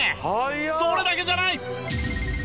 それだけじゃない。